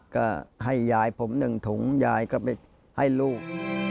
ก็ให้ยายผม๑ถุงยายก็ไปให้ลูก